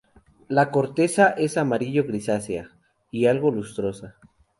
La corteza es amarillo-grisácea y algo lustrosa.